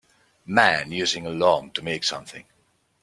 Man using a loom to make something.